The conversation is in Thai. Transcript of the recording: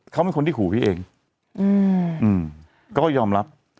เขาเป็นคนที่ขู่พี่เองก็ยอมรับ